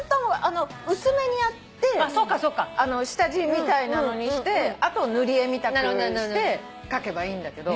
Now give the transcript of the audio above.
薄めにやって下地みたいなのにしてあと塗り絵みたくして描けばいいんだけど。